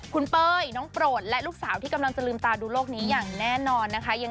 คุณเป้ยน้องโปรดและลูกสาวที่กำลังจะลืมตาดูโลกนี้อย่างแน่นอนนะคะ